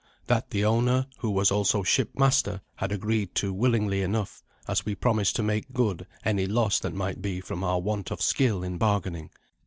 That the owner, who was also ship master, had agreed to willingly enough, as we promised to make good any loss that might be from our want of skill in bargaining.